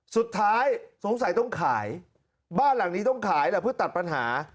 สุดท้ายสงสัยต้องขายบ้านหลังนี้ต้องขายแหละเพื่อตัดปัญหา